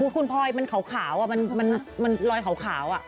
คุณพยอมเชียวฟังอ่ะมันขาว